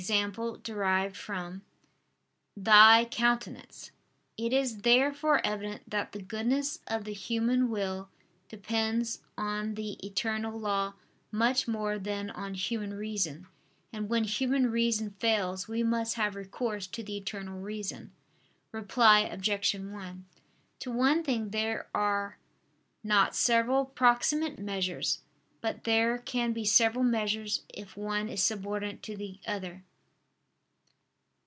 e. derived from) Thy countenance." It is therefore evident that the goodness of the human will depends on the eternal law much more than on human reason: and when human reason fails we must have recourse to the Eternal Reason. Reply Obj. 1: To one thing there are not several proximate measures; but there can be several measures if one is subordinate to the other.